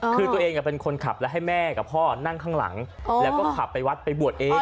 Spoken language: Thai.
คือตัวเองเป็นคนขับแล้วให้แม่กับพ่อนั่งข้างหลังแล้วก็ขับไปวัดไปบวชเอง